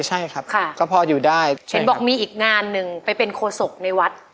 ใช่ครับค่ะก็พออยู่ได้เห็นบอกมีอีกงานหนึ่งไปเป็นโคศกในวัด